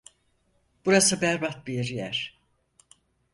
Burası berbat bir yer.